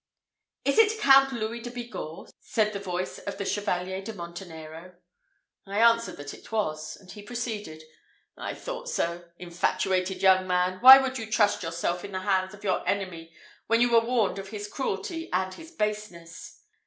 "Is it Count Louis de Bigorre?" said the voice of the Chevalier de Montenero. I answered that it was; and he proceeded, "I thought so: infatuated young man, why would you trust yourself in the hands of your enemy, when you were warned of his cruelty and his baseness?"